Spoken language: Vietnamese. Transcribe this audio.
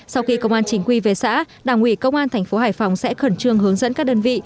sau khi công an chính quy về xã đảng ủy công an thành phố hải phòng sẽ khẩn trương hướng dẫn các đơn vị